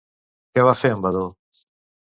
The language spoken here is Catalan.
Què va fer en Vadó?